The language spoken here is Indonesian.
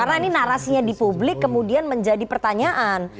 karena ini narasinya di publik kemudian menjadi pertanyaan